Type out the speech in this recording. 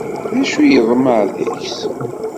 D acu i yeḍmeε deg-s?